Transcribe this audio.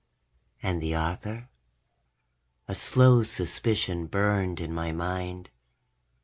And the author? A slow suspicion burned in my mind.